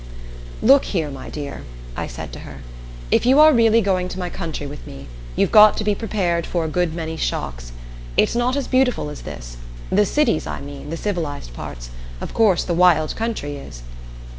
"Look here, my dear," I said to her. "If you are really going to my country with me, you've got to be prepared for a good many shocks. It's not as beautiful as this the cities, I mean, the civilized parts of course the wild country is."